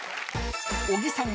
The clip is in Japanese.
［小木さん